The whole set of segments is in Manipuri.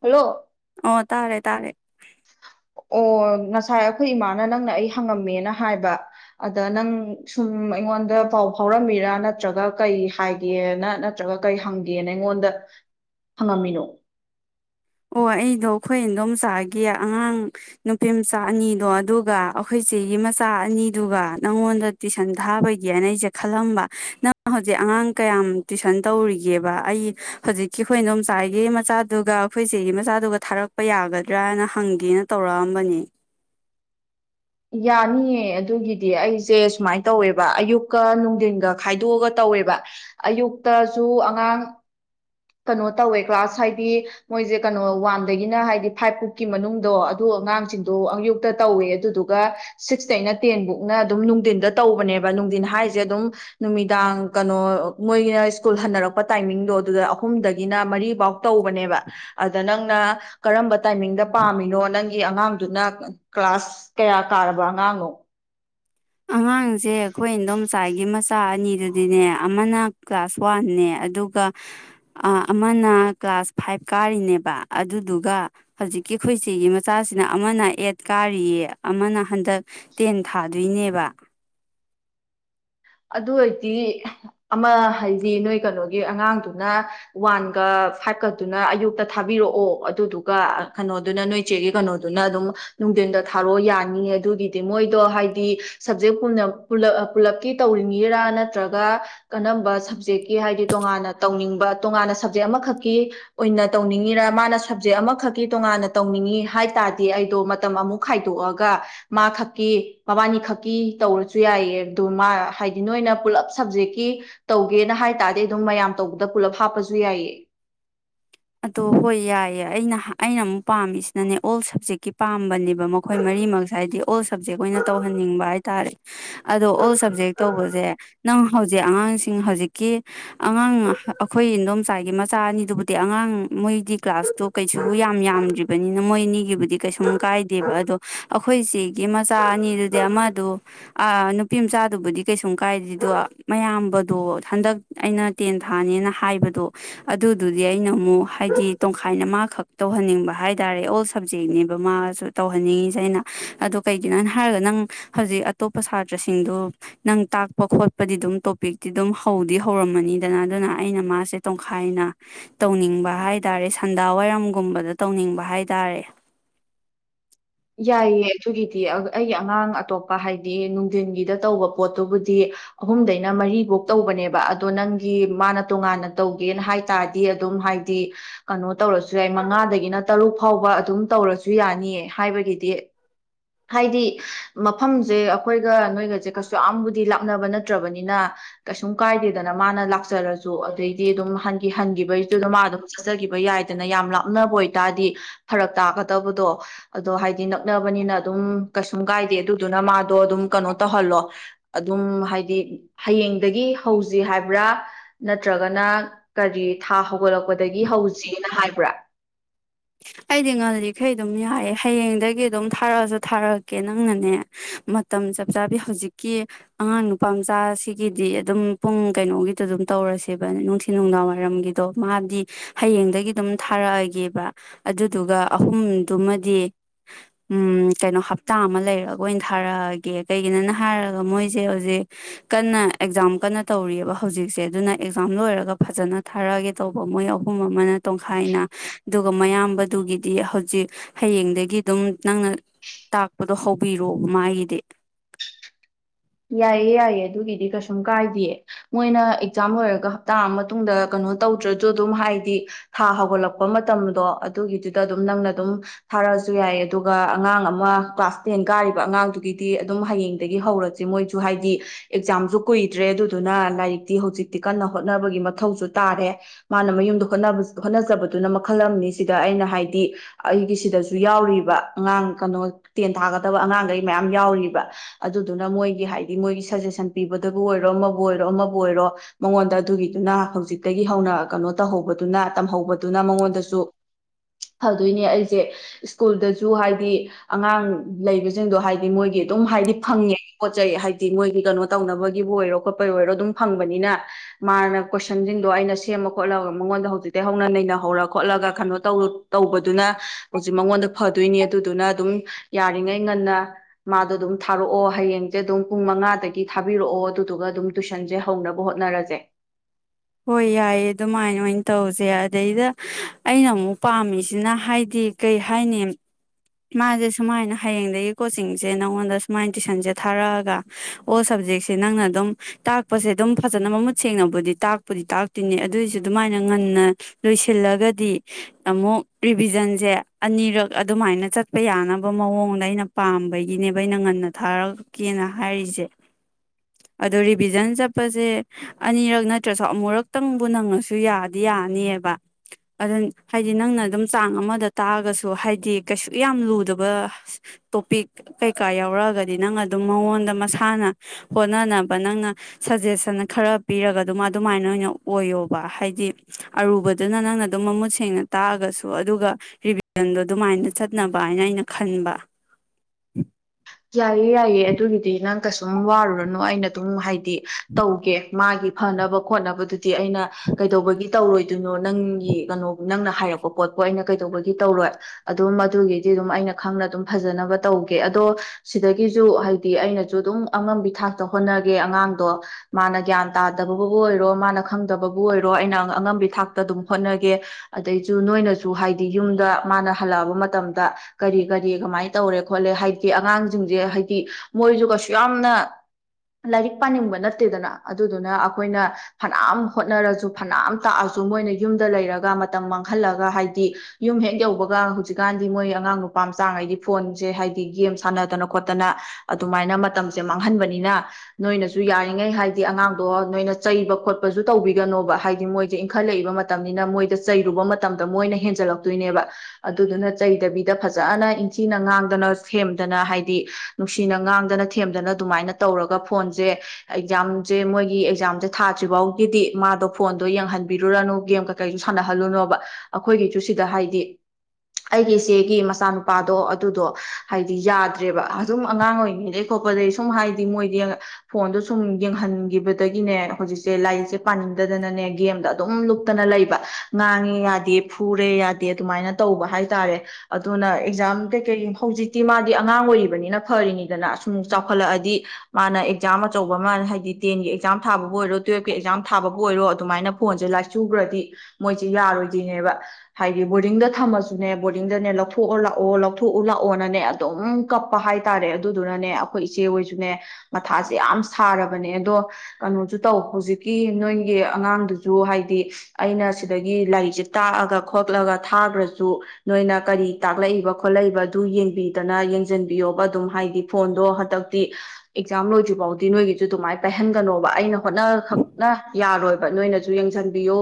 ꯍꯜꯂꯣ ꯑꯣ ꯇꯥꯔꯦ ꯇꯥꯔꯦ ꯑꯣ ꯉꯁꯥꯏ ꯑꯩꯈꯣꯏ ꯏꯃꯥꯅ ꯅꯪꯅ ꯑꯩ ꯍꯪꯉꯝꯃꯦꯅ ꯍꯥꯏꯕ ꯑꯗ ꯅꯪ ꯁꯨꯝ ꯑꯩꯉꯣꯟꯗ ꯄꯥꯎ ꯐꯥꯎꯔꯝꯃꯤꯔꯥ ꯅꯠꯇ꯭ꯔꯒ ꯀꯩ ꯍꯥꯏꯒꯦꯅ ꯅꯠꯇ꯭ꯔꯒ ꯀꯩ ꯍꯪꯒꯦꯅ ꯑꯩꯉꯣꯟꯗ ꯍꯪꯉꯝꯃꯤꯅꯣ ꯑꯣ ꯑꯩꯗꯣ ꯑꯩꯈꯣꯏ ꯏꯗꯣꯝꯆꯥꯒꯤ ꯑꯉꯥꯡ ꯅꯨꯄꯤ ꯃꯆꯥ ꯑꯅꯤꯗꯣ ꯑꯗꯨꯒ ꯑꯩꯈꯣꯏꯆꯦꯒꯤ ꯃꯆꯥ ꯑꯅꯤꯗꯨꯒ ꯅꯪꯉꯣꯟꯗ ꯇꯨꯏꯁꯟ ꯊꯥꯕꯒꯤꯅ ꯑꯩꯖꯦ ꯈꯜꯂꯝꯕ ꯅꯪ ꯍꯧꯖꯤꯛ ꯑꯉꯥꯡ ꯀꯌꯥꯝ ꯇꯨꯏꯁꯟ ꯇꯧꯔꯤꯒꯦꯕ ꯑꯩ ꯍꯧꯖꯤꯛꯀꯤ ꯑꯩꯈꯣꯏ ꯏꯗꯣꯝꯆꯥꯒꯤ ꯃꯆꯥꯗꯨꯒ ꯑꯩꯈꯣꯏ ꯆꯦꯒꯤ ꯃꯆꯥꯗꯨꯒ ꯊꯥꯔꯛꯄ ꯌꯥꯒꯗ꯭ꯔꯥꯅ ꯍꯪꯒꯦꯅ ꯇꯧꯔꯛꯑꯝꯕꯅꯦ ꯌꯥꯅꯤꯌꯦ ꯑꯗꯨꯒꯤꯗꯤ ꯑꯩꯖꯦ ꯁꯨꯃꯥꯏꯅ ꯇꯧꯋꯦꯕ ꯑꯌꯨꯛꯀ ꯅꯨꯡꯗꯤꯟꯒ ꯈꯥꯏꯗꯣꯛꯑꯒ ꯇꯧꯋꯦꯕ ꯑꯌꯨꯛꯇꯁꯨ ꯑꯉꯥꯡ ꯀꯩꯅꯣ ꯇꯧꯋꯦ ꯀ꯭ꯂꯥꯁ ꯍꯥꯏꯗꯤ ꯃꯣꯏꯖꯦ ꯀꯩꯅꯣ ꯋꯥꯟꯗꯒꯤꯅ ꯍꯥꯏꯗꯤ ꯐꯥꯏꯚ ꯕꯨꯛꯀꯤ ꯃꯅꯨꯡꯗꯣ ꯑꯗꯨ ꯑꯉꯥꯡꯁꯤꯡꯗꯣ ꯑꯌꯨꯛꯇ ꯇꯧꯋꯦ ꯑꯗꯨꯗꯨꯒ ꯁꯤꯛꯁꯇꯩꯅ ꯇꯦꯟꯕꯨꯛꯅ ꯑꯗꯨꯝ ꯅꯨꯡꯗꯤꯟꯗ ꯇꯧꯕꯅꯦꯕ ꯅꯨꯡꯗꯤꯟ ꯍꯥꯏꯖꯦ ꯑꯗꯨꯝ ꯅꯨꯃꯤꯗꯥꯡ ꯀꯩꯅꯣ ꯃꯣꯏꯅ ꯁ꯭ꯀꯨꯜ ꯍꯟꯅꯔꯛꯄ ꯇꯥꯏꯃꯤꯡꯗꯣ ꯑꯗꯨꯗ ꯑꯈꯣ ꯑꯍꯨꯝꯗꯒꯤꯅ ꯃꯔꯤꯕꯥꯎ ꯇꯧꯕꯅꯦꯕ ꯑꯗ ꯅꯪꯅ ꯀꯔꯝꯕ ꯇꯥꯏꯃꯤꯡꯗ ꯄꯥꯝꯃꯤꯅꯣ ꯅꯪꯒꯤ ꯑꯉꯥꯡꯗꯨꯅ ꯀ꯭ꯂꯥꯁ ꯀꯌꯥ ꯀꯥꯔꯕ ꯑꯉꯥꯡꯅꯣ ꯑꯉꯥꯡꯖꯦ ꯑꯩꯈꯣꯏ ꯏꯗꯣꯝꯆꯥꯒꯤ ꯃꯆꯥ ꯑꯅꯤꯗꯨꯗꯤꯅꯦ ꯑꯃꯅ ꯀ꯭ꯂꯥꯁ ꯋꯥꯟꯅꯦ ꯑꯗꯨꯒ ꯑꯃꯅ ꯀ꯭ꯂꯥꯁ ꯐꯥꯏꯚ ꯀꯥꯔꯤꯅꯦꯕ ꯑꯗꯨꯗꯨꯒ ꯍꯧꯖꯤꯛꯀꯤ ꯑꯩꯈꯣꯏꯆꯦꯒꯤ ꯃꯆꯥꯁꯤꯅ ꯑꯃꯅ ꯑꯦꯠ ꯀꯥꯔꯤꯌꯦ ꯑꯃꯅ ꯍꯟꯗꯛ ꯇꯦꯟ ꯊꯥꯗꯣꯏꯅꯦꯕ ꯋꯥ ꯑꯗꯨ ꯑꯣꯏꯗꯤ ꯑꯃ ꯍꯥꯏꯗꯤ ꯅꯣꯏ ꯀꯩꯅꯣꯒꯤ ꯑꯉꯥꯡꯗꯨꯅ ꯋꯥꯟꯒ ꯐꯥꯏꯚꯀꯗꯨꯅ ꯑꯌꯨꯛꯇ ꯊꯥꯕꯤꯔꯛꯑꯣ ꯑꯗꯨꯗꯨꯒ ꯀꯩꯅꯣꯗꯨꯅ ꯅꯣꯏ ꯏꯆꯦꯒꯤ ꯀꯩꯅꯣꯗꯨꯅ ꯑꯗꯨꯝ ꯅꯨꯡꯗꯤꯟꯗ ꯊꯥꯔꯛꯑꯣ ꯌꯥꯅꯤ ꯑꯗꯨꯒꯤꯗꯤ ꯃꯣꯏꯗꯣ ꯍꯥꯏꯗꯤ ꯁꯞꯖꯦꯛ ꯄꯨꯅ ꯄꯨꯂꯞ ꯀꯤ ꯇꯧꯅꯤꯡꯉꯤꯔ ꯅꯠꯇ꯭ꯔꯒ ꯀꯅꯝꯕ ꯁꯕꯖꯦꯛꯀꯤ ꯍꯥꯏꯗꯤ ꯇꯣꯉꯥꯟꯅ ꯇꯧꯅꯤꯡꯕ ꯇꯣꯉꯥꯟꯅ ꯁꯕꯖꯦꯛ ꯑꯃꯈꯛꯀꯤ ꯑꯣꯏꯅ ꯇꯧꯅꯤꯡꯉꯤꯔꯥ ꯃꯥꯅ ꯁꯕꯖꯦꯛ ꯑꯃꯈꯛꯀꯤ ꯇꯣꯉꯥꯟꯅ ꯇꯧꯅꯤꯡꯏꯤ ꯍꯥꯏ ꯇꯥꯔꯗꯤ ꯑꯩꯗꯣ ꯃꯇꯝ ꯑꯃꯨꯛ ꯈꯥꯏꯗꯣꯛꯑꯒ ꯃꯥ ꯈꯛꯀꯤ ꯃꯕꯥꯅꯤ ꯈꯛꯀꯤ ꯇꯧꯔꯖꯨ ꯌꯥꯏꯌꯦ ꯑꯗꯨ ꯃꯥ ꯍꯥꯏꯗꯤ ꯅꯣꯏꯅ ꯄꯨꯜꯂꯞ ꯁꯞꯖꯦꯛꯀꯤ ꯇꯧꯒꯦꯅ ꯍꯥꯏ ꯇꯥꯔꯗꯤ ꯑꯗꯨꯝ ꯃꯌꯥꯝ ꯇꯧꯕꯗ ꯄꯨꯜꯂꯞ ꯍꯥꯞꯄꯖꯨ ꯌꯥꯏꯌꯦ ꯑꯗꯣ ꯍꯣꯏ ꯌꯥꯏꯌꯦ ꯑꯩꯅ ꯑꯩꯅ ꯑꯃꯨꯛ ꯄꯥꯝꯃꯤꯁꯤꯅꯅꯦ ꯑꯣꯜ ꯁꯕꯖꯦꯛꯀꯤ ꯄꯥꯝꯕꯅꯦꯕ ꯃꯈꯣꯏ ꯃꯔꯤꯃꯛꯖꯦ ꯍꯥꯏꯗꯤ ꯑꯣꯜ ꯁꯕꯖꯦꯛ ꯑꯣꯏꯅ ꯇꯧꯍꯟꯅꯤꯡꯕ ꯍꯥꯏꯇꯥꯔꯦ ꯑꯗꯣ ꯑꯣꯜ ꯁꯕꯖꯦꯛ ꯇꯧꯕꯖꯦ ꯅꯪ ꯍꯧꯖꯤꯛ ꯑꯉꯥꯡꯁꯤꯡ ꯍꯧꯖꯤꯛꯀꯤ ꯑꯉꯥꯡ ꯑꯈꯣꯏ ꯏꯗꯣꯝꯆꯥꯒꯤ ꯃꯆꯥ ꯑꯅꯤꯗꯨꯕꯨꯗꯤ ꯑꯉꯥꯡ ꯃꯣꯏꯗꯤ ꯀ꯭ꯂꯥꯁꯇꯣ ꯀꯩꯁꯨ ꯌꯥꯝ ꯌꯥꯝꯗ꯭ꯔꯤꯕꯅꯤꯅ ꯃꯣꯏ ꯑꯅꯤꯒꯤꯕꯨꯗꯤ ꯀꯩꯁꯨꯝ ꯀꯥꯏꯗꯦꯕ ꯑꯗꯣ ꯑꯈꯣꯏꯆꯦꯒꯤ ꯃꯆꯥ ꯑꯅꯤꯗꯨꯗꯤ ꯑꯃꯗꯣ ꯑꯥ ꯅꯨꯄꯤ ꯆꯥꯗꯨꯕꯨꯗꯤ ꯀꯩꯁꯨꯝ ꯀꯥꯏꯗꯦꯗꯣ ꯃꯌꯥꯝꯕꯗꯣ ꯍꯟꯗꯛ ꯑꯩꯅ ꯇꯦꯟ ꯊꯥꯅꯦꯅ ꯍꯥꯏꯕꯗꯣ ꯑꯗꯨꯗꯨꯗꯤ ꯑꯩꯅ ꯑꯃꯨꯛ ꯍꯥꯏꯗꯤ ꯇꯣꯈꯥꯏꯅ ꯃꯥ ꯈꯛ ꯇꯧꯍꯟꯅꯤꯡꯕ ꯍꯥꯏ ꯇꯥꯔꯦ ꯑꯣꯜ ꯁꯕꯖꯦꯛꯅꯦꯕ ꯃꯥꯁꯨ ꯇꯧꯍꯟꯅꯤꯡꯉꯤꯁꯦ ꯑꯩꯅ ꯑꯗꯣ ꯀꯩꯒꯤꯅꯣ ꯍꯥꯏ ꯍꯥꯏꯔꯒ ꯅꯪ ꯍꯧꯖꯤꯛ ꯑꯇꯣꯞꯄ ꯁꯥꯇ꯭ꯔꯁꯤꯡꯗꯨ ꯅꯪ ꯇꯥꯛꯄ ꯈꯣꯠꯄꯗꯤ ꯑꯗꯨꯝ ꯇꯣꯄꯤꯛꯇꯤ ꯑꯗꯨꯝ ꯍꯧꯗꯤ ꯍꯧꯔꯝꯃꯅꯤꯗꯅ ꯑꯗꯨꯅ ꯑꯩꯅ ꯃꯥꯁꯦ ꯇꯣꯡꯈꯥꯏꯅ ꯇꯧꯅꯤꯡꯕ ꯍꯥꯏ ꯇꯔꯦ ꯁꯟꯗꯌꯥ ꯋꯥꯏꯔꯝꯒꯨꯝꯕꯗ ꯇꯧꯅꯤꯡꯕ ꯍꯥꯏ ꯇꯔꯦ ꯌꯥꯏꯌꯦ ꯑꯗꯨꯒꯤꯗꯤ ꯑꯩꯒꯤ ꯑꯉꯥꯡ ꯑꯇꯣꯞꯄ ꯍꯥꯏꯗꯤ ꯅꯨꯡꯊꯤꯟꯒꯤꯗ ꯇꯧꯕ ꯄꯣꯠꯇꯨꯕꯨꯗꯤ ꯑꯍꯨꯝꯗꯩꯅ ꯃꯔꯤꯐꯧ ꯇꯧꯕꯅꯦꯕ ꯑꯗꯣ ꯅꯪꯒꯤ ꯃꯥꯅ ꯇꯣꯉꯥꯟꯅ ꯇꯧꯒꯦꯅ ꯍꯥꯏ ꯇꯔꯗꯤ ꯑꯗꯨꯝ ꯍꯥꯏꯗꯤ ꯀꯩꯅꯣ ꯇꯧꯔꯁꯨ ꯌꯥꯏ ꯃꯉꯥꯗꯒꯤꯅ ꯇꯔꯨꯛ ꯐꯥꯎꯕ ꯑꯗꯨꯝ ꯇꯧꯔꯁꯨ ꯌꯥꯅꯤꯌꯦ ꯍꯥꯏꯕꯒꯤꯗꯤ ꯍꯥꯏꯗꯤ ꯃꯐꯝꯖꯦ ꯑꯈꯣꯏꯒ ꯅꯣꯏꯒꯖꯦ ꯀꯩꯁꯨ ꯌꯥꯝꯕꯨꯗꯤ ꯂꯥꯞꯅꯕ ꯅꯠꯇ꯭ꯔꯕꯅꯤꯅ ꯀꯩꯁꯨꯝ ꯀꯥꯏꯗꯦꯗꯅ ꯃꯥꯅ ꯂꯥꯛꯆꯔꯖꯨ ꯑꯗꯩꯗꯤ ꯑꯗꯨꯝ ꯍꯟꯒꯤ ꯍꯟꯒꯤꯕꯩꯖꯨ ꯃꯥ ꯑꯗꯨꯝ ꯆꯠꯆꯒꯤꯕ ꯌꯥꯏꯗꯅ ꯌꯥꯝ ꯂꯥꯞꯅꯕ ꯑꯣꯏꯇꯥꯔꯗꯤ ꯐꯔꯛ ꯇꯥꯒꯗꯕꯗꯣ ꯑꯗꯣ ꯍꯥꯏꯗꯤ ꯅꯛꯅꯕꯅꯤꯅ ꯑꯗꯨꯝ ꯀꯩꯁꯨꯝ ꯀꯥꯏꯗꯦ ꯑꯗꯨꯗꯨꯅ ꯃꯥꯗꯣ ꯑꯗꯨꯝ ꯀꯩꯅꯣ ꯇꯧꯍꯜꯂꯣ ꯑꯗꯨꯝ ꯍꯥꯏꯗꯤ ꯍꯌꯦꯡꯗꯒꯤ ꯍꯧꯁꯤ ꯍꯥꯏꯕ꯭ꯔꯥ ꯅꯠꯇ꯭ꯔꯒꯅ ꯀꯔꯤ ꯊꯥ ꯍꯧꯒꯠꯂꯛꯄꯗꯒꯤ ꯍꯧꯖꯦꯅ ꯍꯥꯏꯕ꯭ꯔꯥ ꯑꯩꯗꯤ ꯉꯜꯂꯤꯈꯩ ꯑꯗꯨꯝ ꯌꯥꯏꯌꯦ ꯍꯌꯦꯡꯗꯒꯤ ꯑꯗꯨꯝ ꯊꯥꯔꯛꯑꯖꯨ ꯊꯥꯔꯛꯀꯦ ꯅꯪꯅꯅꯦ ꯃꯇꯝ ꯆꯞ ꯆꯥꯕꯤ ꯍꯧꯖꯤꯛꯀꯤ ꯑꯉꯥꯡ ꯅꯨꯄꯥ ꯃꯆꯥꯁꯤꯒꯤꯗꯤ ꯑꯗꯨꯝ ꯄꯨꯡ ꯀꯩꯅꯣꯒꯤꯗꯨꯗ ꯑꯗꯨꯝ ꯇꯧꯔꯁꯦꯕ ꯅꯨꯡꯊꯤꯜ ꯅꯨꯡꯗꯥꯡꯋꯥꯏꯔꯝꯒꯤꯗꯣ ꯃꯥꯗꯤ ꯍꯌꯦꯡꯗꯒꯤ ꯑꯗꯨꯝ ꯊꯥꯔꯛꯑꯒꯦꯕ ꯑꯗꯨꯗꯨꯒ ꯑꯍꯨꯝꯗꯨꯃꯗꯤ ꯎꯝ ꯀꯩꯅꯣ ꯍꯞꯇꯥ ꯑꯃ ꯂꯩꯔꯒ ꯑꯣꯏꯅ ꯊꯥꯔꯛꯑꯒꯦ ꯀꯩꯒꯤꯅꯣꯅ ꯍꯥꯏꯔꯒ ꯃꯣꯏꯖꯦ ꯍꯧꯖꯤꯛ ꯀꯟꯅ ꯑꯦꯛꯖꯥꯝ ꯀꯟꯅ ꯇꯧꯔꯤꯑꯕ ꯍꯧꯖꯤꯛꯁꯦ ꯑꯗꯨꯅ ꯑꯦꯛꯖꯥꯝ ꯂꯣꯏꯔꯒ ꯐꯖꯅ ꯊꯥꯔꯛꯑꯒꯦ ꯇꯧꯕ ꯃꯣꯏ ꯑꯍꯨꯝ ꯑꯃꯅ ꯇꯣꯡꯈꯥꯏꯅ ꯑꯗꯨꯒ ꯃꯌꯥꯝ ꯗꯨꯒꯤꯗꯤ ꯍꯧꯖꯤꯛ ꯍꯌꯦꯡꯗꯒꯤ ꯑꯗꯨꯝ ꯅꯪꯅ ꯇꯥꯛꯄꯗꯣ ꯍꯧꯕꯤꯔꯣꯑꯣꯕ ꯃꯥꯒꯤꯗꯤ ꯌꯥꯏꯌꯦ ꯌꯥꯏꯌꯦ ꯑꯗꯨꯒꯤꯗꯤ ꯀꯩꯁꯨꯝ ꯀꯥꯏꯗꯦꯌꯦ ꯃꯣꯏꯅ ꯑꯦꯛꯖꯥꯝ ꯂꯣꯏꯔꯒ ꯍꯞꯇꯥ ꯃꯇꯨꯡꯗ ꯀꯩꯅꯣ ꯇꯧꯗ꯭ꯔꯖꯨ ꯑꯗꯨꯝ ꯍꯥꯏꯗꯤ ꯊꯥ ꯍꯧꯒꯠꯂꯛꯄ ꯃꯇꯝꯗꯣ ꯑꯗꯨꯒꯤꯗꯨꯗ ꯑꯗꯨꯝ ꯅꯪꯅ ꯑꯗꯨꯝ ꯊꯥꯔꯛꯑꯖꯨ ꯌꯥꯏꯌꯦ ꯑꯗꯨꯒ ꯑꯉꯥꯡ ꯑꯃ ꯀ꯭ꯂꯥꯁ ꯇꯦꯟ ꯀꯥꯔꯤꯕ ꯑꯉꯥꯡꯗꯨꯒꯤꯗꯤ ꯑꯗꯨꯝ ꯍꯌꯦꯡꯗꯒꯤ ꯍꯧꯔ ꯃꯣꯏꯖꯨ ꯍꯥꯏꯗꯤ ꯑꯦꯛꯖꯥꯝꯖꯨ ꯀꯨꯏꯗ꯭ꯔꯦ ꯑꯗꯨꯗꯨꯅ ꯂꯥꯏꯔꯤꯛꯇꯤ ꯍꯧꯖꯤꯛꯇꯤ ꯀꯟꯅ ꯍꯣꯠꯅꯕꯒꯤ ꯃꯊꯧꯖꯨ ꯇꯥꯔꯦ ꯃꯥꯅ ꯃꯌꯨꯝꯗꯣ ꯍꯣꯠꯅꯖꯕꯗꯨꯅ ꯃꯈꯜ ꯑꯃꯅꯤ ꯁꯤꯗ ꯑꯩꯅ ꯍꯥꯏꯗꯤ ꯑꯩꯒꯤ ꯁꯤꯗꯖꯨ ꯌꯥꯎꯔꯤꯕ ꯑꯉꯥꯡ ꯀꯩꯅꯣ ꯇꯦꯟ ꯊꯥꯒꯗꯕ ꯑꯉꯥꯡꯒꯩ ꯃꯌꯥꯝ ꯌꯥꯎꯔꯤꯕ ꯑꯗꯨꯗꯨꯅ ꯃꯣꯏ ꯑꯩ ꯍꯥꯏꯗꯤ ꯃꯣꯏꯒꯤ ꯁꯖꯦꯁꯟ ꯄꯤꯕꯗꯕꯨ ꯑꯣꯏꯔꯣ ꯑꯃꯕꯨ ꯑꯣꯏꯔꯣ ꯑꯃꯕꯨ ꯑꯣꯏꯔꯣ ꯃꯉꯣꯟꯗ ꯑꯗꯨꯒꯤꯗꯨꯅ ꯍꯧꯖꯤꯛꯇꯒꯤ ꯍꯧꯅ ꯀꯩꯅꯣ ꯇꯧꯍꯧꯕꯗꯨꯅ ꯇꯝꯍꯧꯕꯗꯨꯅ ꯃꯉꯣꯟꯗꯖꯨ ꯐꯗꯣꯏꯅꯦ ꯑꯩꯖꯦ ꯁ꯭ꯀꯨꯜꯗꯖꯨ ꯍꯥꯏꯗꯤ ꯑꯉꯥꯡ ꯂꯩꯕꯖꯤꯡꯗꯣ ꯍꯥꯏꯗꯤ ꯃꯣꯏꯒꯤ ꯑꯗꯨꯝ ꯍꯥꯏꯗꯤ ꯐꯪꯉꯦ ꯄꯣꯠ ꯆꯩꯩ ꯍꯥꯏꯗꯤ ꯃꯣꯏꯒꯤ ꯀꯩꯅꯣ ꯇꯧꯅꯕꯒꯤꯕꯨ ꯑꯣꯏꯔꯣ ꯈꯣꯠꯄꯕꯨ ꯑꯣꯏꯔꯣ ꯑꯗꯨꯝ ꯐꯪꯕꯅꯤꯅ ꯃꯥꯅ ꯀꯣꯏꯁꯟꯒꯤꯡꯗꯣ ꯑꯩꯅ ꯁꯦꯝꯃ ꯈꯣꯠꯂꯒ ꯃꯉꯣꯟꯗ ꯍꯧꯖꯤꯛꯇꯇꯩ ꯍꯧꯅ ꯅꯩꯅꯍꯧꯔ ꯈꯣꯠꯂꯒ ꯀꯩꯅꯣ ꯇꯧꯕꯗꯨꯅ ꯍꯧꯖꯤꯛ ꯃꯉꯣꯟꯗ ꯐꯗꯣꯏꯅꯤ ꯑꯗꯨꯗꯨꯅ ꯑꯗꯨꯝ ꯌꯥꯔꯤꯉꯩ ꯉꯟꯅ ꯃꯥꯗꯣ ꯑꯗꯨꯝ ꯊꯥꯔꯛꯑꯣ ꯍꯌꯦꯡ ꯁꯦ ꯑꯗꯨꯝ ꯄꯨꯡ ꯃꯉꯥꯗꯒꯤ ꯊꯥꯕꯤꯔꯛꯑꯣ ꯑꯗꯨꯗꯨꯒ ꯑꯗꯨꯝ ꯇꯨꯏꯁꯟꯖꯦ ꯍꯧꯅꯕ ꯍꯣꯠꯅꯔꯖꯦ ꯍꯣꯏ ꯌꯥꯏꯌꯦ ꯑꯗꯨꯃꯥꯏꯅ ꯑꯣꯏꯅ ꯇꯧꯖꯦ ꯑꯗꯩꯗ ꯑꯩꯅ ꯑꯃꯨꯛ ꯄꯥꯝꯃꯤꯁꯤꯅ ꯍꯥꯏꯗꯤ ꯀꯩ ꯍꯥꯏꯅꯤ ꯃꯥꯖꯦ ꯁꯨꯃꯥꯏꯅ ꯍꯌꯦꯡꯗꯒꯤ ꯀꯣꯆꯤꯡꯖꯦ ꯅꯪꯉꯣꯟꯗ ꯁꯨꯃꯥꯏꯅ ꯇꯨꯏꯁꯟꯖꯦ ꯊꯥꯔꯛꯑꯒ ꯑꯣꯜ ꯁꯕꯖꯦꯛꯁꯦ ꯅꯪꯅ ꯑꯗꯨꯝ ꯇꯥꯛꯄꯖꯦ ꯑꯗꯨꯝ ꯐꯖꯅ ꯃꯃꯨꯠ ꯁꯦꯡꯅꯕꯨꯗꯤ ꯇꯥꯛ ꯄꯨꯕꯨꯗꯤ ꯇꯥꯛꯇꯣꯏꯅꯦ ꯑꯗꯨꯑꯣꯏꯁꯨ ꯑꯗꯨꯃꯥꯏꯅ ꯉꯟꯅ ꯂꯣꯏꯁꯤꯜꯂꯒꯗꯤ ꯑꯃꯨꯛ ꯔꯤꯚꯤꯖꯟꯁꯦ ꯑꯅꯤꯔꯛ ꯑꯗꯨꯃꯥꯏꯅ ꯆꯠꯄ ꯌꯥꯅꯕ ꯃꯑꯣꯡꯗ ꯑꯩꯅ ꯄꯥꯝꯕꯒꯤꯅꯦꯕ ꯑꯩꯅ ꯉꯟꯅ ꯊꯥꯔꯛꯀꯦꯅ ꯍꯥꯏꯔꯤꯁꯦ ꯑꯗꯣ ꯔꯤꯚꯤꯖꯟ ꯆꯠꯄꯁꯦ ꯑꯅꯤꯔꯛꯅ ꯅꯠꯇ꯭ꯔꯁꯨ ꯑꯃꯨꯨꯔꯛꯇꯪꯕꯨ ꯅꯪꯉꯁꯨ ꯌꯥꯗꯤ ꯌꯥꯅꯤꯕ ꯑꯗꯨ ꯍꯥꯏꯗꯤ ꯅꯪꯅ ꯑꯗꯨꯝ ꯆꯥꯡ ꯑꯃꯗ ꯇꯥꯛꯑꯒꯁꯨ ꯍꯥꯏꯗꯤ ꯀꯩꯁꯨ ꯌꯥꯝ ꯂꯨꯗꯕ ꯇꯣꯄꯤꯛ ꯀꯩꯀꯥ ꯌꯥꯎꯔꯛꯑꯒꯗꯤ ꯅꯪꯅ ꯑꯗꯨꯝ ꯃꯉꯣꯟꯗ ꯃꯁꯥꯅ ꯍꯣꯠꯅꯅꯕ ꯅꯪꯅ ꯁꯖꯦꯁꯟ ꯈꯔ ꯄꯤꯔꯒ ꯑꯗꯨꯃ ꯑꯗꯨꯃꯥꯏꯅ ꯑꯣꯏꯅ ꯑꯣꯏꯌꯣꯕ ꯍꯥꯏꯗꯤ ꯑꯔꯨꯕꯗꯨꯅ ꯅꯪꯅ ꯑꯗꯨꯝ ꯃꯃꯨꯠ ꯁꯦꯡꯅ ꯇꯥꯛꯑꯒꯁꯨ ꯑꯗꯨꯒ ꯔꯤꯚꯖꯟꯗꯣ ꯑꯗꯨꯃꯥꯏꯅ ꯆꯠꯅꯕ ꯍꯥꯏꯅ ꯑꯩꯅ ꯈꯟꯕ ꯌꯥꯏꯌꯦ ꯌꯥꯏꯌꯦ ꯑꯗꯨꯒꯤꯗꯤ ꯅꯪ ꯀ ꯁꯨꯝ ꯋꯥꯔꯨꯔꯅꯨ ꯑꯩꯅ ꯑꯗꯨꯝ ꯍꯥꯏꯗꯤ ꯗꯤ ꯇꯧꯒꯦ ꯃꯥꯒꯤ ꯐꯅꯕ ꯈꯣꯠꯅꯕꯗꯨꯗꯤ ꯑꯩꯅ ꯀꯩꯗꯧꯕꯒꯤ ꯇꯧꯔꯣꯏꯗꯣꯏꯅꯣ ꯅꯪꯒꯤ ꯀꯩꯅꯣ ꯅꯪꯅ ꯍꯥꯏꯔꯛꯄ ꯄꯣꯠꯄꯣ ꯑꯩꯅ ꯀꯩꯗꯧꯕꯒꯤ ꯇꯧꯔꯣꯏ ꯑꯗꯨꯝ ꯑꯗꯨꯒꯤꯗꯤ ꯑꯗꯨꯝ ꯑꯩꯅ ꯈꯪꯅ ꯑꯗꯨꯝ ꯐꯖꯅꯕ ꯇꯧꯒꯦ ꯑꯗꯣ ꯁꯤꯗꯒꯤꯖꯨ ꯍꯥꯏꯗꯤ ꯑꯩꯅꯖꯨ ꯑꯗꯨꯝ ꯑꯉꯝꯕꯤ ꯊꯥꯛꯇ ꯍꯣꯠꯅꯒꯦ ꯑꯉꯥꯡꯗꯣ ꯃꯥꯅ ꯒ꯭ꯌꯥꯟ ꯇꯥꯗꯕꯕꯨ ꯑꯣꯏꯔꯣ ꯃꯥꯅ ꯈꯪꯗꯕꯕꯨ ꯑꯣꯏꯔꯣ ꯑꯩꯅ ꯑꯉꯝꯕꯤ ꯊꯥꯛꯇ ꯑꯗꯨꯝ ꯍꯣꯠꯅꯒꯦ ꯑꯗꯩꯖꯨ ꯅꯣꯏꯅꯖꯨ ꯍꯥꯏꯗꯤ ꯌꯨꯝꯗ ꯃꯥꯅ ꯍꯜꯂꯛꯑꯕ ꯃꯇꯝꯗ ꯀꯔꯤ ꯀꯔꯤ ꯀꯃꯥꯏꯅ ꯇꯧꯔꯦ ꯈꯣꯠꯂꯦ ꯍꯥꯏꯗꯤ ꯑꯉꯥꯡ ꯁꯤꯡꯖꯦ ꯍꯥꯏꯗꯤ ꯃꯣꯏꯖꯨ ꯀꯩꯁꯨ ꯌꯥꯝꯅ ꯂꯥꯏꯔꯤꯛ ꯄꯥꯅꯤꯡꯕ ꯅꯠꯇꯦꯗꯅ ꯑꯗꯨꯗꯨꯅ ꯑꯩꯈꯣꯏꯅ ꯐꯅꯥꯝ ꯍꯣꯠꯅꯔꯖꯨ ꯐꯅꯥꯝ ꯇꯥꯛꯑꯖꯨ ꯃꯣꯏꯅ ꯌꯨꯝꯗ ꯂꯩꯔꯒ ꯃꯇꯝ ꯃꯥꯡꯍꯜꯂꯒ ꯍꯥꯏꯗꯤ ꯌꯨꯝ ꯍꯦꯛ ꯌꯧꯕꯒ ꯍꯧꯖꯤꯛꯀꯥꯟꯗꯤ ꯃꯣꯏ ꯑꯉꯥꯡ ꯅꯨꯄꯥ ꯃꯆꯥꯉꯩꯗꯤ ꯐꯣꯟꯖꯨ ꯍꯥꯏꯗꯤ ꯒꯦꯝ ꯁꯥꯟꯅꯗꯅ ꯈꯣꯠꯇꯅ ꯑꯗꯨꯃꯥꯏꯅ ꯃꯇꯝꯁꯦ ꯃꯥꯡꯍꯟꯕꯅꯤꯅ ꯅꯣꯏꯅꯁꯨ ꯌꯥꯔꯤꯉꯩ ꯍꯥꯏꯗꯤ ꯑꯉꯥꯡꯗꯣ ꯅꯣꯏꯅ ꯆꯩꯕ ꯈꯣꯠꯄꯖꯨ ꯇꯧꯕꯤꯒꯅꯣꯕ ꯍꯥꯏꯗꯤ ꯃꯣꯏꯖꯦ ꯏꯪꯈꯠꯂꯛꯏꯕ ꯃꯇꯝꯅꯤꯅ ꯃꯣꯏꯗ ꯆꯩꯔꯨꯕ ꯃꯇꯝꯗ ꯃꯣꯏꯅ ꯍꯦꯟꯖꯜꯂꯛꯇꯣꯏꯅꯦꯕ ꯑꯗꯨꯗꯨꯅ ꯆꯩꯗꯕꯤꯗ ꯐꯖꯅ ꯏꯟꯊꯤꯅ ꯉꯥꯡꯗꯅ ꯁꯦꯝꯗꯅ ꯍꯥꯏꯗꯤ ꯍꯥꯏꯗꯤ ꯅꯨꯡꯁꯤꯅ ꯉꯥꯡꯗꯅ ꯊꯦꯝꯗꯅ ꯑꯗꯨꯃꯥꯏꯅ ꯇꯧꯔꯒ ꯐꯣꯟꯖꯦ ꯑꯦꯛꯖꯥꯝꯖꯦ ꯃꯣꯏꯒꯤ ꯑꯦꯛꯖꯥꯝꯖꯦ ꯊꯥꯗ꯭ꯔꯤ ꯐꯥꯎꯒꯤꯗꯤ ꯃꯥꯗꯣ ꯐꯣꯟꯗꯣ ꯌꯦꯡꯍꯟꯕꯤꯔꯨꯔꯅꯨ ꯒꯦꯝ ꯀꯩꯀꯩꯖꯨ ꯁꯥꯟꯅꯍꯜꯂꯨꯅꯣꯕ ꯑꯩꯈꯣꯏꯒꯤꯖꯨ ꯁꯤꯗ ꯍꯥꯏꯗꯤ ꯑꯩꯒꯤ ꯏꯆꯦꯒꯤ ꯃꯆꯥꯅꯨꯄꯥꯗꯣ ꯑꯗꯨꯗꯣ ꯍꯥꯏꯗꯤ ꯌꯥꯗ ꯑꯉꯥꯡ ꯑꯣꯏꯔꯤꯉꯩꯗꯩ ꯈꯣꯠꯄꯩ ꯁꯨꯝ ꯍꯥꯏꯗꯤ ꯃꯣꯏꯗꯤ ꯐꯣꯟꯗꯣ ꯁꯨꯝ ꯌꯦꯡꯍꯟꯗꯒꯤꯅꯦ ꯍꯧꯖꯤꯛꯁꯦ ꯂꯥꯏꯔꯤꯛꯁꯦ ꯄꯥꯅꯤꯡꯗꯗꯅꯅꯦ ꯒꯦꯝꯗ ꯑꯗꯨꯝ ꯂꯨꯞꯇꯅ ꯂꯩꯕ ꯉꯥꯡꯉꯦ ꯌꯥꯗꯦ ꯐꯨꯔꯦ ꯌꯥꯗꯦ ꯑꯗꯨꯃꯥꯏꯅ ꯇꯧꯕ ꯍꯥꯏꯇꯥꯥꯔꯦ ꯑꯗꯨꯅ ꯑꯦꯛꯖꯥꯝ ꯀꯩꯀꯩ ꯍꯧꯖꯤꯛꯇꯤ ꯃꯥꯗꯤ ꯑꯉꯥꯡ ꯑꯣꯏꯔꯤꯕꯅꯤꯅ ꯐꯔꯤꯅꯤꯗꯅ ꯑꯁꯨꯝ ꯆꯥꯎꯈꯠꯂꯛꯑꯗꯤ ꯃꯥꯅ ꯑꯦꯛꯖꯥꯝ ꯑꯆꯧꯕ ꯑꯃ ꯍꯥꯏꯗꯤ ꯇꯦꯟꯒꯤ ꯑꯦꯛꯖꯥꯝ ꯊꯥꯕꯕꯨ ꯑꯣꯏꯔꯣ ꯇꯨꯌꯦ꯭ꯜꯞꯀꯤ ꯑꯦꯛꯖꯥꯝ ꯊꯥꯕꯕꯨ ꯑꯣꯏꯔꯣ ꯑꯗꯨꯃꯥꯏꯅ ꯐꯣꯟꯖꯦ ꯂꯥꯏꯆꯨꯒ꯭ꯔꯥꯗꯤ ꯃꯣꯏꯖꯦ ꯌꯥꯔꯣꯏꯗꯣꯏꯅꯦꯕ ꯍꯥꯏꯗꯤ ꯕꯣꯔꯗꯤꯡꯗ ꯊꯝꯃꯁꯨꯅꯦ ꯕꯣꯔꯗꯤꯡꯗꯅꯦ ꯂꯧꯊꯣꯛꯑꯣ ꯂꯥꯛꯑꯣ ꯂꯧꯊꯣꯛꯎ ꯂꯥꯛꯑꯣꯅꯅꯦ ꯑꯗꯨꯝ ꯀꯞꯄ ꯍꯥꯏꯇꯥꯔꯦ ꯑꯗꯨꯗꯨꯅꯅꯦ ꯑꯈꯣꯏ ꯏꯆꯦ ꯍꯣꯏꯖꯨꯅꯦ ꯃꯊꯥꯖꯦ ꯌꯥꯝ ꯁꯥꯔꯕꯅꯦ ꯑꯗꯣ ꯀꯩꯅꯣꯖꯨ ꯇꯧ ꯍꯧꯖꯤꯛꯀꯤ ꯅꯣꯏꯒꯤ ꯑꯉꯥꯡꯗꯨꯖꯨ ꯍꯥꯏꯗꯤ ꯑꯩꯅ ꯁꯤꯗꯒꯤ ꯂꯥꯏꯔꯤꯛꯁꯦ ꯇꯥꯛꯑꯒ ꯈꯣꯠꯂꯒ ꯊꯥꯒ꯭ꯔꯖꯨ ꯅꯣꯏꯅ ꯀꯔꯤ ꯇꯥꯛꯂꯛꯏꯕ ꯈꯣꯠꯂꯛꯏꯕ ꯑꯗꯨ ꯌꯦꯡꯕꯤ ꯗꯅ ꯌꯦꯡꯖꯟꯕꯤꯌꯣꯕ ꯑꯗꯨꯝ ꯍꯥꯏꯗꯤ ꯐꯣꯟꯗꯣ ꯍꯟꯗꯛꯇꯤ ꯑꯦꯛꯖꯥꯝ ꯂꯣꯏꯗ꯭ꯔꯤ ꯕꯥꯎꯗꯤ ꯅꯣꯏꯒꯤꯖꯨ ꯑꯗꯨꯃꯥꯏꯅ ꯄꯥꯏꯍꯟꯒꯅꯣꯕ ꯑꯩꯅ ꯍꯣꯠꯅ ꯈꯛꯅ ꯌꯥꯔꯣꯏꯕ ꯅꯣꯏꯅꯖꯨ ꯌꯦꯡꯁꯤꯟꯕꯤꯌꯣ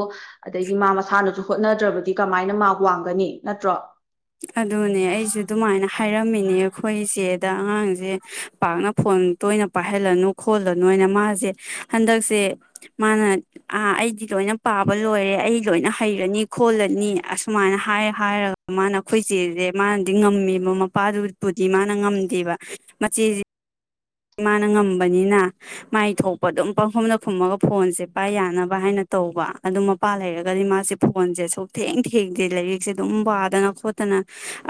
ꯑꯗꯒꯤ ꯃꯥ ꯃꯁꯥꯅꯁꯨ ꯍꯣꯠꯅ ꯅꯠꯇ꯭ꯔꯕꯗꯤ ꯀꯃꯥꯏꯅ ꯃꯥ ꯋꯥꯡꯒꯅꯤ ꯅꯠꯇ꯭ꯔꯣ ꯑꯗꯨꯅꯦ ꯑꯩꯁꯨ ꯑꯗꯨꯃꯥꯏꯅ ꯍꯥꯏꯔꯝꯃꯤꯅꯦ ꯑꯩꯈꯣꯏꯁꯦꯗ ꯑꯉꯥꯡꯁꯦ ꯄꯥꯛꯅ ꯐꯣꯟ ꯇꯣꯏꯅ ꯄꯥꯏꯍꯜꯂꯅꯨ ꯈꯣꯠꯂꯅꯨꯅ ꯃꯥꯁꯦ ꯍꯟꯗꯛꯁꯦ ꯃꯥꯅ ꯑ ꯑꯩꯗꯤ ꯂꯣꯏꯅ ꯄꯥꯕ ꯂꯣꯏꯔꯦ ꯑꯩ ꯂꯣꯏꯅ ꯍꯩꯔꯅꯤ ꯈꯣꯜꯂꯅꯤ ꯑꯁꯨꯃꯥꯏꯅ ꯍꯥꯏ ꯍꯥꯏꯔꯒ ꯃꯥꯅ ꯑꯩꯈꯣꯏꯆꯦꯁꯦ ꯃꯥꯅꯗꯤ ꯉꯝꯃꯤꯕ ꯃꯄꯥꯗꯨꯕꯨꯗꯤ ꯃꯥꯅ ꯉꯝꯗꯦꯕ ꯃꯆꯦꯁꯦ ꯃꯥꯅ ꯉꯝꯕꯅꯤꯅ ꯃꯥꯏ ꯊꯣꯛꯄ ꯑꯗꯨꯝ ꯄꯪꯈꯨꯝꯗ ꯈꯨꯝꯃꯒ ꯐꯣꯟꯁꯦ ꯄꯥꯏ ꯌꯥꯅꯕ ꯍꯥꯏꯅ ꯇꯧꯕ ꯑꯗꯨ ꯃꯄꯥ ꯂꯩꯔꯒꯗꯤ ꯃꯥꯁꯦ ꯐꯣꯟꯁꯦꯁꯨꯛ ꯊꯦꯡ ꯊꯦꯡꯗꯦ ꯂꯥꯏꯔꯤꯛꯁꯦ ꯑꯗꯨꯝ ꯋꯥꯗꯅ ꯈꯣꯠꯇꯅ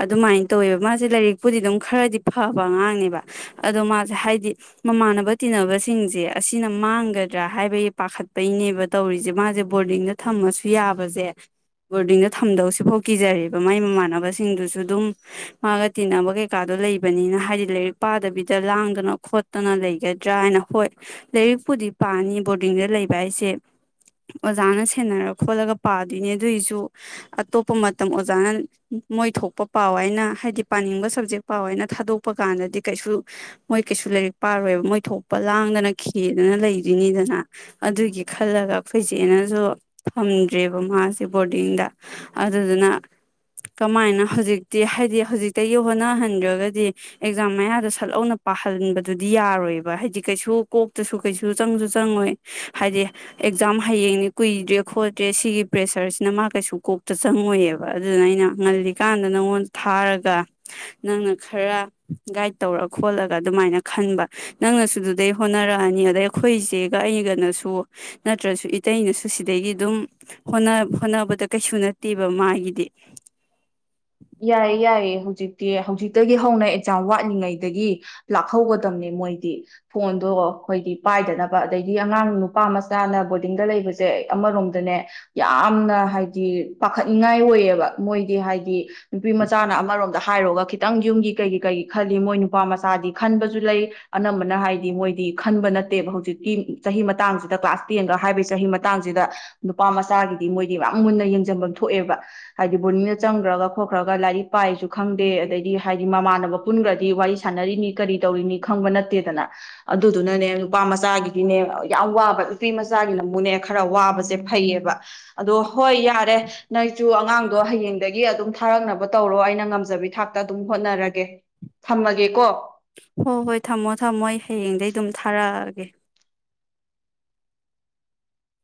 ꯑꯗꯨꯃꯥꯏꯅ ꯇꯧꯋꯦꯕ ꯃꯥꯁꯦ ꯂꯥꯏꯔꯤꯛꯄꯨꯗꯤ ꯑꯗꯨꯝ ꯈꯔꯗꯤ ꯐꯕ ꯑꯉꯥꯡꯅꯦꯕ ꯑꯗꯣ ꯃꯥ ꯍꯥꯏꯗꯤ ꯃꯃꯥꯟꯅꯕ ꯇꯤꯟꯅꯕꯁꯤꯡꯁꯦ ꯑꯁꯤꯅ ꯃꯥꯡꯒꯗ꯭ꯔꯥ ꯍꯥꯏꯕꯒꯤ ꯄꯥꯈꯠꯄꯩꯅꯦꯕ ꯇꯧꯔꯤꯁꯦ ꯃꯥꯁꯦ ꯕꯣꯔꯗꯤꯡꯗ ꯊꯝꯃꯁꯨ ꯌꯥꯕꯁꯦ ꯕꯣꯔꯗꯤꯡꯗ ꯊꯝꯗꯧꯁꯤꯦ ꯐꯥꯎ ꯀꯤꯖꯔꯦꯕ ꯃꯥꯒꯤ ꯃꯃꯥꯟꯅꯕꯁꯤꯡꯗꯨꯁꯨ ꯑꯗꯨꯝ ꯃꯥꯒ ꯇꯤꯟꯅꯕ ꯀꯩꯀꯥꯗꯣ ꯂꯩꯕꯅꯤꯅ ꯍꯥꯏꯗꯤ ꯂꯥꯏꯔꯤꯛ ꯄꯥꯗꯕꯤꯗ ꯂꯥꯡ ꯗꯅ ꯈꯣꯠꯇꯅ ꯂꯩꯒꯗ꯭ꯔꯥ ꯍꯥꯏꯅ ꯍꯣꯏ ꯂꯥꯏꯔꯤꯛꯄꯨꯗꯤ ꯄꯥꯅꯤ ꯕꯣꯔꯗꯤꯡꯗ ꯂꯩꯕ ꯍꯥꯏꯁꯦ ꯑꯣꯖꯥꯅ ꯁꯦꯟꯅꯔ ꯈꯣꯠꯂꯒ ꯄꯥꯗꯣꯏꯅꯦ ꯑꯗꯨꯏꯁꯨ ꯑꯇꯣꯞꯄ ꯃꯇꯝ ꯑꯣꯖꯥꯅ ꯃꯣꯏ ꯊꯣꯛꯄ ꯄꯥꯎ ꯍꯥꯏꯅ ꯍꯥꯏꯗꯤ ꯄꯥꯅꯤꯡꯕ ꯁꯕꯖꯦꯛ ꯄꯥꯎ ꯍꯥꯏꯅ ꯊꯥꯗꯣꯛꯄ ꯀꯥꯟꯗꯗꯤ ꯀꯩꯁꯨ ꯃꯣꯏ ꯀꯩꯁꯨ ꯂꯥꯏꯔꯤꯛ ꯄꯥꯔꯣꯏꯕ ꯃꯣꯏ ꯊꯣꯛꯄ ꯂꯥꯡꯗꯅ ꯈꯦꯗꯅ ꯂꯩꯗꯣꯏꯅꯤꯗꯅ ꯑꯗꯨꯒꯤ ꯈꯜꯂꯒ ꯑꯩꯈꯣꯏꯆꯦꯠꯅꯁꯨ ꯊꯝꯗ꯭ꯔꯦꯕ ꯃꯥꯁꯦ ꯕꯣꯔꯗꯤꯡꯗ ꯑꯗꯨꯗꯨꯅ ꯀꯃꯥꯏꯅ ꯍꯧꯖꯤꯛꯇꯤ ꯍꯥꯏꯗꯤ ꯍꯧꯖꯤꯛꯇꯒꯤ ꯍꯣꯠꯅꯍꯟꯗ꯭ꯔꯒꯗꯤ ꯑꯦꯛꯖꯥꯝ ꯃꯌꯥꯗꯣ ꯁꯠꯂꯧꯅ ꯄꯥꯍꯟꯕꯗꯨꯗꯤ ꯌꯥꯔꯣꯏꯕ ꯍꯥꯏꯗꯤ ꯀꯩꯁꯨ ꯀꯣꯛꯇꯁꯨ ꯀꯩꯁꯨ ꯆꯪꯁꯨ ꯆꯪꯉꯣꯏ ꯍꯥꯏꯗꯤ ꯑꯦꯛꯖꯥꯝ ꯍꯌꯦꯡꯅꯤ ꯀꯨꯏꯗ꯭ꯔꯦ ꯈꯣꯠꯇ꯭ꯔꯦ ꯁꯤꯒꯤ ꯄ꯭ꯔꯦꯁꯔꯁꯤꯅ ꯃꯥ ꯀꯩꯁꯨ ꯀꯣꯛꯇ ꯆꯪꯉꯣꯏꯑꯕ ꯑꯗꯨꯅ ꯑꯩꯅ ꯉꯜꯂꯤꯀꯥꯟꯗ ꯅꯪꯉꯣꯟꯗ ꯊꯥꯔꯒ ꯅꯪꯅ ꯈꯔ ꯒꯥꯏꯗ ꯇꯧꯔ ꯈꯣꯠꯂ ꯑꯗꯨꯃꯥꯏꯅ ꯈꯟꯕ ꯅꯪꯅꯁꯨ ꯑꯗꯨꯗꯩ ꯍꯣꯠꯅꯔꯛꯑꯅꯤ ꯑꯗꯩ ꯑꯩꯈꯣꯏ ꯏꯁꯦꯒ ꯑꯩꯒꯅꯁꯨ ꯅꯠꯇ꯭ꯔꯁꯨ ꯏꯇꯩꯅꯁꯨ ꯁꯤꯗꯒꯤ ꯑꯗꯨꯝ ꯍꯣꯠꯅꯕꯗ ꯀꯩꯁꯨ ꯅꯠꯇꯦꯕ ꯃꯥꯒꯤꯗꯤ ꯌꯥꯏꯌꯦ ꯌꯥꯏꯌꯦ ꯍꯧꯖꯤꯛꯇꯤ ꯍꯧꯖꯤꯛꯇꯒꯤ ꯍꯧꯅ ꯑꯦꯛꯖꯥꯝ ꯋꯥꯠꯂꯤꯉꯩꯗꯒꯤ ꯂꯥꯛꯍꯧꯒꯗꯝꯕꯅꯦ ꯃꯣꯏꯗꯤ ꯐꯣꯟꯗꯣ ꯑꯩꯈꯣꯏꯗꯤ ꯄꯥꯏꯗꯅꯕ ꯑꯗꯩꯗꯤ ꯑꯉꯥꯡ ꯅꯨꯄꯥ ꯃꯆꯥꯅ ꯕꯣꯔꯗꯤꯡꯗ ꯂꯩꯕꯁꯦ ꯑꯃꯔꯣꯝꯗꯅꯦ ꯌꯥꯝꯅ ꯍꯥꯏꯗꯤ ꯄꯥꯈꯠꯅꯤꯡꯉꯥꯏ ꯑꯣꯏꯌꯦꯕ ꯃꯣꯏꯗꯤ ꯍꯥꯏꯗꯤ ꯅꯨꯄꯤ ꯃꯆꯥꯅ ꯑꯃꯔꯣꯝ ꯍꯥꯏꯔꯣꯒ ꯈꯤꯇꯪ ꯌꯨꯝꯒꯤ ꯀꯩꯒꯤ ꯀꯩꯒꯤ ꯈꯜꯂꯤ ꯃꯣꯏ ꯅꯨꯄꯥ ꯃꯆꯥꯗꯤ ꯈꯟꯕꯁꯨ ꯂꯩ ꯑꯅꯝꯕꯅ ꯍꯥꯏꯗꯤ ꯃꯣꯏꯗꯤ ꯈꯟꯕ ꯅꯠꯇꯦꯕ ꯍꯧꯖꯤꯛꯇꯤ ꯆꯍꯤ ꯃꯇꯥꯡꯁꯤꯗ ꯀ꯭ꯂꯥꯁ ꯇꯦꯟꯒ ꯍꯥꯏꯕꯒꯤ ꯆꯍꯤ ꯃꯇꯥꯡꯁꯤꯗ ꯅꯨꯄꯥ ꯃꯆꯥꯒꯤꯗꯤ ꯃꯣꯏꯗꯤ ꯌꯥꯝ ꯃꯨꯟꯅ ꯌꯦꯡꯁꯤꯟꯐꯝ ꯊꯣꯛꯑꯦꯕ ꯍꯥꯏꯗꯤ ꯕꯣꯔꯅꯤꯡꯗ ꯆꯪꯈ꯭ꯔꯒ ꯊꯣꯛꯣꯈ꯭ꯔꯒ ꯂꯥꯏꯔꯤꯛ ꯄꯥꯏꯁꯨ ꯈꯪꯗꯦ ꯑꯗꯩꯗꯤ ꯍꯥꯏꯗꯤ ꯃꯃꯥꯟꯅꯕ ꯄꯨꯟꯈ꯭ꯔꯗꯤ ꯋꯥꯔꯤ ꯁꯥꯟꯅꯔꯤꯅꯤ ꯀꯔꯤ ꯇꯧꯔꯤꯅꯤ ꯈꯪꯕ ꯅꯠꯇꯦꯗꯅ ꯑꯗꯨꯗꯨꯅꯅꯦ ꯅꯨꯄꯥ ꯃꯆꯥꯒꯤꯗꯤꯅꯦ ꯌꯥꯝ ꯋꯥꯕ ꯅꯨꯄꯤ ꯃꯆꯥꯒꯤ ꯂꯝꯕꯨꯅꯦ ꯈꯔ ꯋꯥꯕꯁꯦ ꯐꯩꯌꯦꯕ ꯑꯗꯣ ꯍꯣꯏ ꯌꯥꯔꯦ ꯅꯣꯏꯁꯨ ꯑꯉꯥꯡꯗꯣ ꯍꯌꯦꯡꯗꯒꯤ ꯑꯗꯨꯝ ꯊꯥꯔꯛꯅꯕ ꯇꯧꯔꯣ ꯑꯩꯅ ꯉꯝꯖꯕꯤ ꯊꯥꯛꯇ ꯑꯗꯨꯝ ꯍꯣꯠꯅꯔꯒꯦ ꯊꯝꯃꯒꯦꯀꯣ ꯍꯣꯏ ꯍꯣꯏ ꯊꯝꯃꯣ ꯊꯝꯃꯣ ꯑꯩ ꯍꯌꯦꯡꯗꯩ ꯑꯗꯨꯝ ꯊꯥꯔꯛꯑꯒꯦ